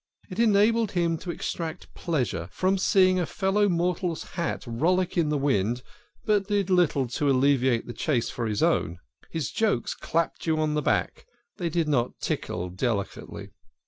It enabled him to extract pleasure from seeing a fellow mortal's hat rollick in the wind, but did little to alleviate the chase for his own. His jokes clapped you on the back, they did not tickle delicately.